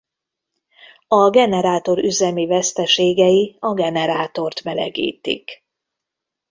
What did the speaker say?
A generátor üzemi veszteségei a generátort melegítik.